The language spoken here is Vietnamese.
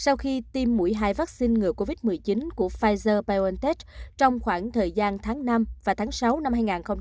sau khi tiêm mũi hai vaccine ngừa covid một mươi chín của pfizer biontech trong khoảng thời gian tháng năm và tháng sáu năm hai nghìn hai mươi